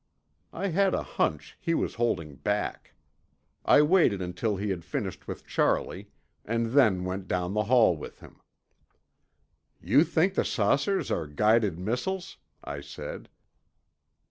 I had a hunch he was holding back. I waited until he had finished with Charley, and then went, down the hall with him. "You think the saucers are guided missiles?" I said.